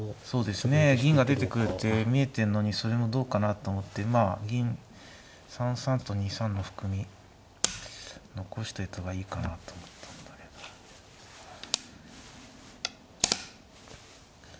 そうですね銀が出てくる手見えてんのにそれもどうかなと思ってまあ銀３三と２三の含み残しておいた方がいいかなと思ったんだけど。